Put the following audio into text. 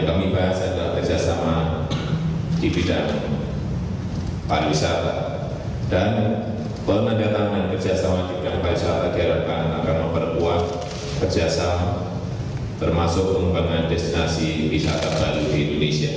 kedua negara yang berpengalaman